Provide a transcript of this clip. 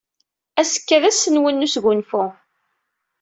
Azekka d ass-nwen n wesgunfu.